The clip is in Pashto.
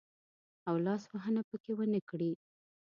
او لاس وهنه پکښې ونه کړي.